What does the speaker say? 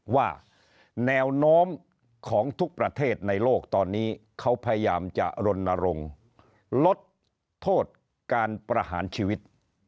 ว่าแนวโน้มของทุกประเทศในโลกตอนนี้เขาพยายามจะรณรงค์ลดโทษการประหารชีวิต